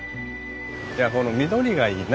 この緑がいいな。